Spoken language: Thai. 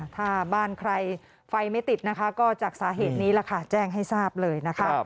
ถ้าบ้านใครไฟไม่ติดก็จากสาเหตุนี้แจ้งให้ทราบเลย